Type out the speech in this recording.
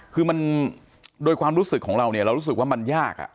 คือมันโดยความรู้สึกของเราเนี่ยเรารู้สึกว่ามันยาก